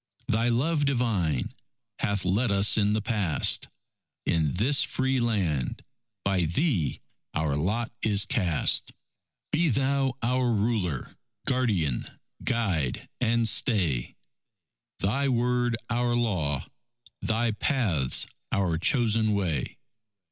Thy love divine, hath led us in the past; In this Free Land, by Thee our lot is cast; Be Thou our ruler, guardian, guide, and stay, Thy Word our law, Thy paths our chosen way.